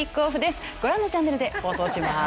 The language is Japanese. ご覧のチャンネルで放送します。